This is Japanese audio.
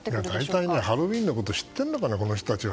大体、ハロウィーンのこと知っているのかな、この人たちは。